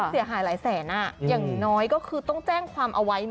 เสียหายหลายแสนอย่างน้อยก็คือต้องแจ้งความเอาไว้